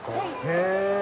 へえ。